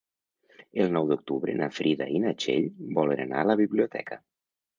El nou d'octubre na Frida i na Txell volen anar a la biblioteca.